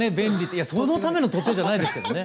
いやそのための取っ手じゃないですけどね。